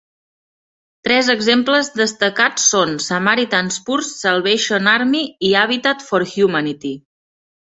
Tres exemples destacats són Samaritan's Purse, Salvation Army i Habitat for Humanity.